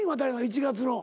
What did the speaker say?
１月の。